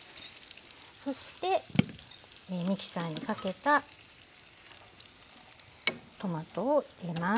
そしてミキサーにかけたトマトを入れます。